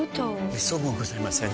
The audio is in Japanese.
めっそうもございません。